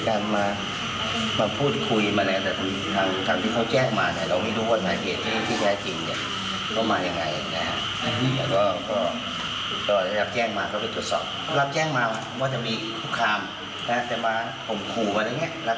และพามาพูดกันในเรื่องของเงิน